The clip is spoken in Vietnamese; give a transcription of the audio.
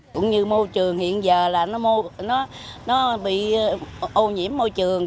cũng như môi trường hiện giờ là nó bị ô nhiễm môi trường